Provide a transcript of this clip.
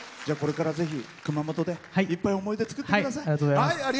じゃあこれからぜひ熊本でいっぱい思い出作って下さい。